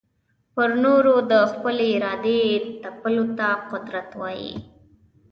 پر نورو د خپلي ارادې تپلو ته قدرت وايې.